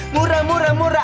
mura mura mura